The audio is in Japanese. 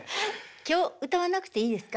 今日歌わなくていいですか？